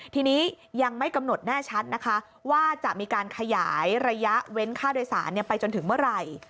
ทีนี้ยังไม่กำหนดแน่ชัดนะคะว่าจะมีการขยายระยะเว้นค่าโดยสารไปจนถึงเมื่อไหร่